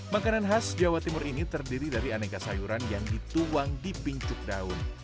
makanan khas jawa timur ini terdiri dari aneka sayuran yang dituang di pincuk daun